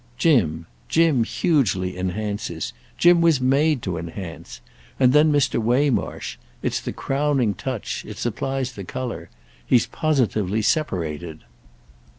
"Jim. Jim hugely enhances. Jim was made to enhance. And then Mr. Waymarsh. It's the crowning touch—it supplies the colour. He's positively separated."